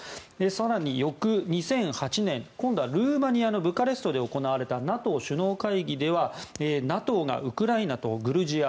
更に翌２００８年今度はルーマニアのブカレストで行われたＮＡＴＯ首脳会議ではＮＡＴＯがウクライナとグルジア